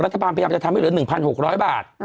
พยายามจะทำให้เหลือ๑๖๐๐บาท